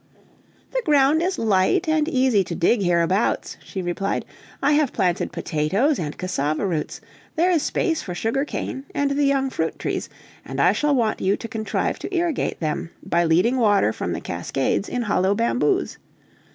"The ground is light and easy to dig hereabouts," she replied. "I have planted potatoes, and cassava roots; there is space for sugar cane, and the young fruit trees, and I shall want you to contrive to irrigate them, by leading water from the cascades in hollow bamboos.